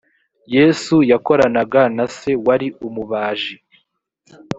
yesu yakoranaga na se wari umubaji